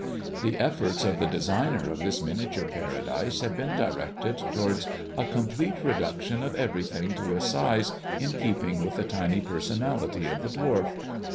The efforts of the designer of this miniature paradise had been directed towards a complete reduction of everything to a size in keeping with the tiny personality of the dwarf.